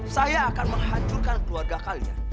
saya akan menghancurkan keluarga kalian